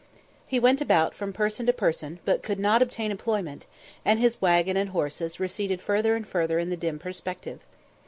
He went about from person to person, but could not obtain employment, and his waggon and horses receded further and further in the dim perspective.